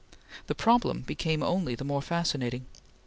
The problem became only the more fascinating.